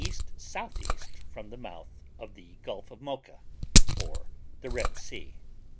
S.E. from the mouth of the Gulf of Mocha, or the Red Sea.